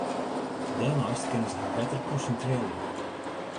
Dêrneist kinne se har better konsintrearje.